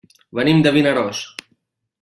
Venim de Vinaròs.